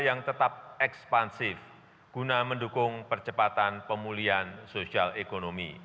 yang tetap ekspansif guna mendukung percepatan pemulihan sosial ekonomi